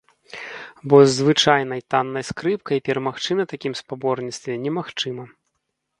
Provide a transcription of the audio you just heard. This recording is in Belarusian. Бо з звычайнай таннай скрыпкай перамагчы на такім спаборніцтве немагчыма.